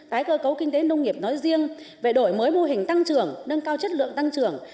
tái cơ cấu kinh tế nông nghiệp nói riêng về đổi mới mô hình tăng trưởng nâng cao chất lượng tăng trưởng